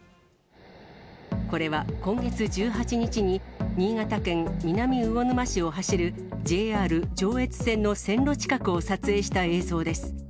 これは今月１８日に新潟県南魚沼市を走るＪＲ上越線の線路近くを撮影した映像です。